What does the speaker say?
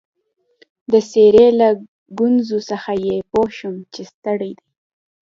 د څېرې له ګونجو څخه يې پوه شوم چي ستړی دی.